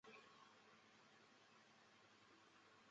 新能源电力系统国家重点实验室简介